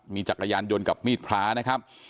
มีจักรยานยนต์กับมีดพระนะครับ